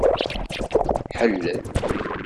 Ḥellel.